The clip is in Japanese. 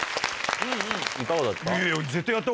いかがだった？